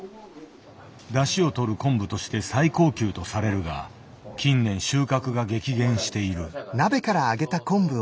だしをとる昆布として最高級とされるが近年収穫が激減している。